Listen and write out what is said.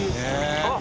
あっ！